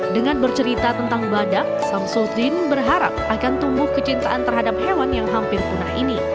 dengan bercerita tentang badak samsuddin berharap akan tumbuh kecintaan terhadap hewan yang hampir punah ini